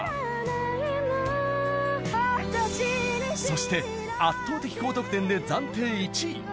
そして圧倒的高得点で暫定１位。